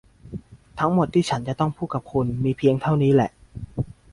ทั้งหมดที่ฉันจะต้องพูดกับคุณมีเพียงเท่านี้แหล่ะ !